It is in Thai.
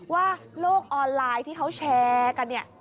ว่าโลกออนไลน์ที่เขาแชร์กันเนี่ย